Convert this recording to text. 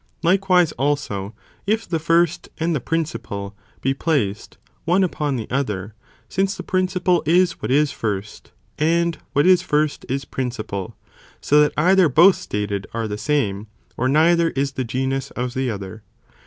Likewise also, if the first and the principal, be placed, one upon the other, since the principal is what is first, and what is first is principal, so that either both stated are the same, or neither is the genus of the other.